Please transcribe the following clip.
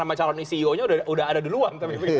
nama calon ceo nya sudah ada duluan